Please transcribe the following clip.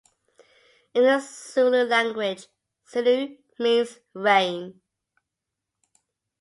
In the Zulu language, Zulu means Rain.